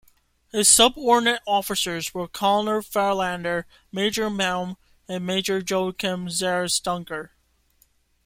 His subordinate officers were Colonel Fahlander, Major Malm and Major Joachim Zachris Duncker.